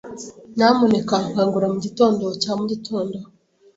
Nyamuneka nkangura mugitondo cya mugitondo.